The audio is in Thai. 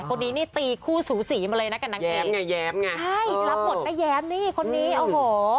ตัวนี้นี่ตีคู่สูสีมาเลยนะกับนางอีกใช่รับหมดไปแย้มนี่คนนี้โอ้โห